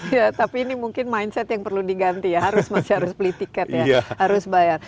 ya tapi ini mungkin mindset yang perlu diganti ya harus masih harus beli tiket ya harus bayar